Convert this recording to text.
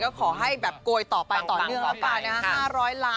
ก็ขอให้แบบโกยต่อไปต่อเนื่องแล้วกันนะฮะ